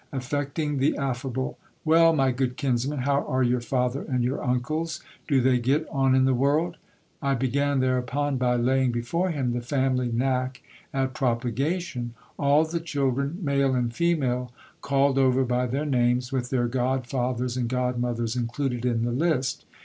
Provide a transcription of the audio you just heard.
Affecting the affable : Well, my good kinsman, how are your father and your uncles ? Do they get on in the world ? I began thereupon by laying before him the family knack at propa gation. All the children, male and female, called over by their names, with their godfathers and godmothers included in the list